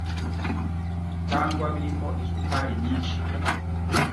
cyangwa birimo isukari nyinshi